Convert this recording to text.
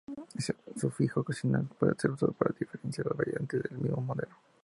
El sufijo opcional puede ser usado para diferenciar las variantes de un mismo modelo.